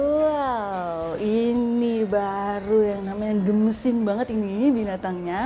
wow ini baru yang namanya gemesin banget ini binatangnya